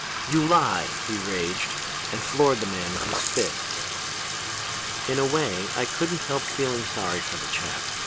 "'You lie!' he raged, and floored the man with his fist. "In a way I couldn't help feeling sorry for the chap.